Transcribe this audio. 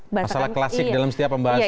masalah klasik dalam setiap pembahasan